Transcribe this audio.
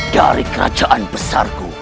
dari kerajaan besarku